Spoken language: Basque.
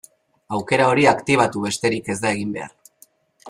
Aukera hori aktibatu besterik ez da egin behar.